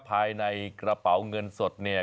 ภายในกระเป๋าเงินสดเนี่ย